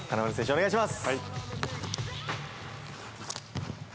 お願いします。